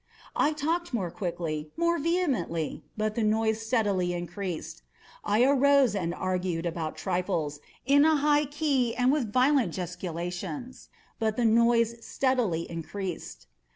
I talked more quickly—more vehemently; but the noise steadily increased. I arose and argued about trifles, in a high key and with violent gesticulations; but the noise steadily increased.